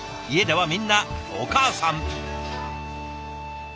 家ではみんなお母さん。